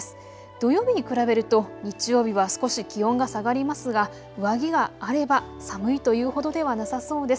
土曜日に比べると日曜日は少し気温が下がりますが上着があれば寒いというほどではなさそうです。